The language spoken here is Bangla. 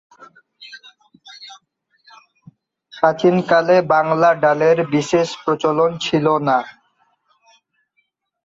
প্রাচীনকালে বাংলা ডালের বিশেষ প্রচলন ছিল না।